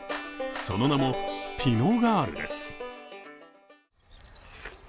その名もピノ・ガールです。